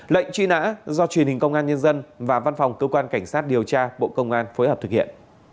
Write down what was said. lệnh truy nã do truyền hình công an nhân dân và văn phòng cơ quan cảnh sát điều tra bộ công an phối hợp thực hiện